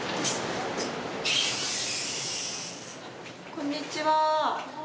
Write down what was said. こんにちは。